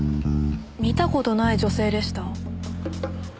見た事ない女性でした。